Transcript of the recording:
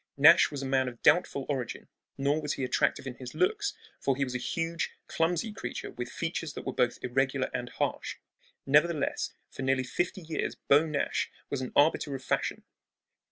Nash was a man of doubtful origin; nor was he attractive in his looks, for he was a huge, clumsy creature with features that were both irregular and harsh. Nevertheless, for nearly fifty years Beau Nash was an arbiter of fashion.